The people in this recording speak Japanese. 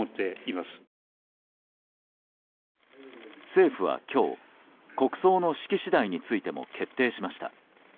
政府は今日国葬の式次第についても決定しました。